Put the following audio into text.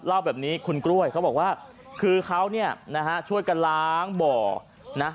เล่าแบบนี้คุณกล้วยเขาบอกว่าคือเขาเนี่ยนะฮะช่วยกันล้างบ่อนะ